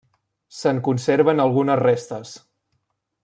Se'n conserven algunes restes.